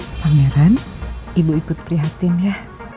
pangeran ibu ikut prihatin ya